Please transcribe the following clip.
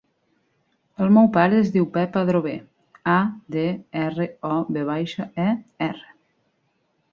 El meu pare es diu Pep Adrover: a, de, erra, o, ve baixa, e, erra.